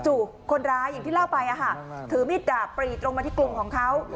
จู่คนร้ายอย่างที่เล่าไปอะค่ะถือมีดด่าปลิดลงมาที่กรุงของเขา